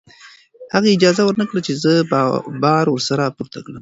هغې اجازه ورنکړه چې زه بار ورسره پورته کړم.